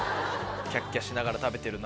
キャッキャしながら食べてるな。